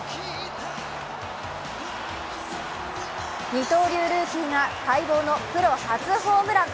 二刀流ルーキーが待望のプロ初ホームラン。